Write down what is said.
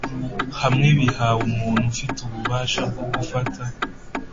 hamwe bihawe umuntu ufite ububasha bwo gufata